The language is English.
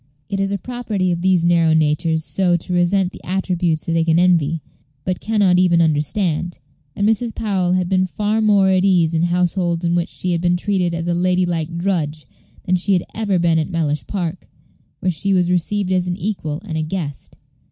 It is a property of these narrow natures so to resent Page 145 the attributes they can envy, but can not even understand; and Mrs. Powell had been far more at ease in households in which she had been treated as a lady like drudge than she had ever been at Mellish Park, where she was received as an equal and a guest.